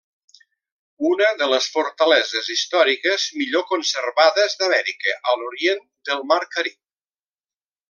Una de les fortaleses històriques millor conservades d'Amèrica a l'orient del mar Carib.